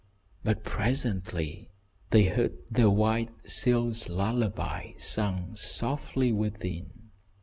But presently they heard the "White Seal's Lullaby" sung softly within.